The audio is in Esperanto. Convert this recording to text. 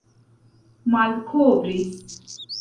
malkovris